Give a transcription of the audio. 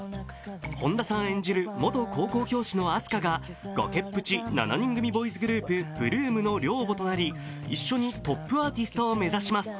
本田さん演じる元高校教師のあす花が崖っぷち７人組ボーイズグループ、８ＬＯＯＭの寮母となり一緒にトップアーティストを目指します。